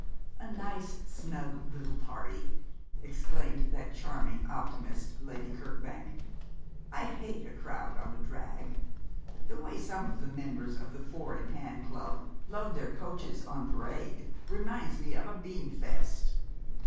'A nice snug little party,' exclaimed that charming optimist, Lady Kirkbank. 'I hate a crowd on a drag. The way some of the members of the Four in hand Club load their coaches on parade reminds me of a Beanfeast!'